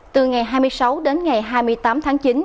từ ngày hai mươi sáu đến ngày hai mươi tám tháng chín